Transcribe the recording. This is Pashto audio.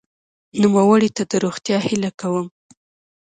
نوموړي ته د روغتیا هیله کوم.